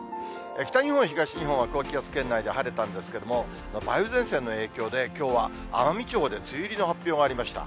北日本、東日本は高気圧圏内で晴れたんですけれども、梅雨前線の影響できょうは奄美地方で梅雨入りの発表がありました。